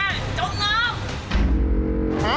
อ้ายอ้อยรุ่นแกจงน้ำ